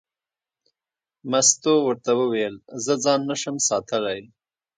مستو ورته وویل: زه ځان نه شم ساتلی.